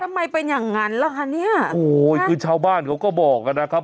ทำไมเป็นอย่างนั้นล่ะคะเนี่ยโอ้ยคือชาวบ้านเขาก็บอกกันนะครับ